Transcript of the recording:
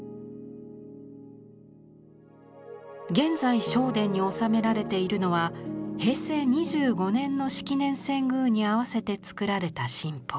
現在正殿に納められているのは平成２５年の式年遷宮に合わせて作られた神宝。